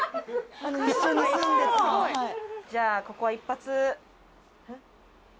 じゃあここは一発。